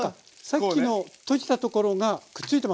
さっきのとじたところがくっついてますね。